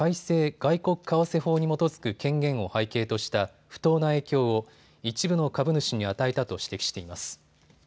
外国為替法に基づく権限を背景とした不当な影響を一部の株主に与えたと指摘しています。